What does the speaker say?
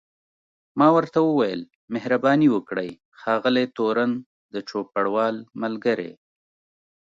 ما ورته وویل مهرباني وکړئ ښاغلی تورن، د چوپړوال ملګری.